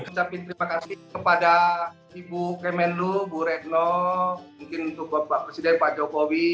ucapin terima kasih kepada ibu kemenlu bu retno mungkin untuk bapak presiden pak jokowi